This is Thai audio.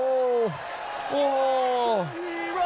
โอโห